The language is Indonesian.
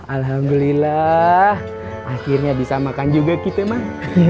alhamdulillah akhirnya bisa makan juga kita mah